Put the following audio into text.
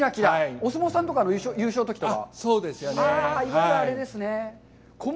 お相撲さんの優勝のときとか？